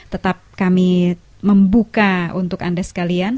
tetap kami membuka untuk anda sekalian